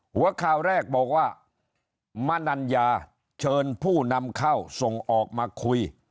หัวข่าวแรกบอกว่ามนัญญาเชิญผู้นำเข้าส่งออกมาคุย